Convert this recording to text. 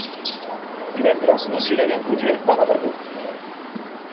Divendres na Cira i en Roger van a Verdú.